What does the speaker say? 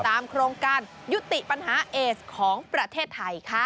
โครงการยุติปัญหาเอสของประเทศไทยค่ะ